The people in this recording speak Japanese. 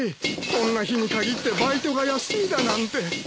こんな日に限ってバイトが休みだなんて。